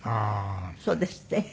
そうですって？